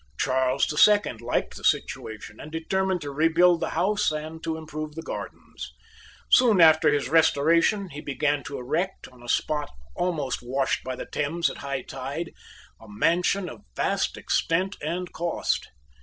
Charles the Second liked the situation, and determined to rebuild the house and to improve the gardens. Soon after his Restoration, he began to erect, on a spot almost washed by the Thames at high tide, a mansion of vast extent and cost.